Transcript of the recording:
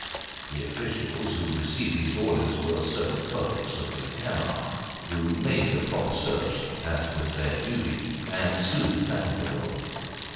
The officials who received these orders were certain clerks of the Camera, who made the proper search, as was their duty, and soon found the rogue.